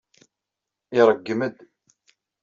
Iṛeggem-d.